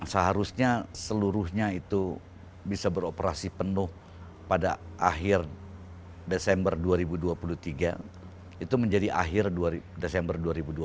seharusnya seluruhnya itu bisa beroperasi penuh pada akhir desember dua ribu dua puluh tiga itu menjadi akhir desember dua ribu dua puluh